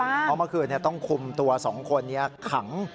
เพราะว่าเมื่อคืนเนี่ยต้องคุมตัวสองคนขัง